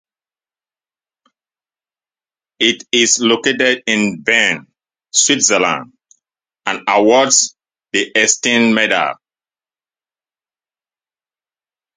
It is located in Bern, Switzerland, and awards the Einstein Medal.